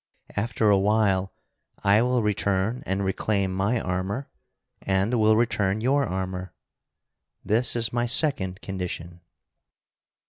After a while I will return and reclaim my armor and will return your armor. This is my second condition."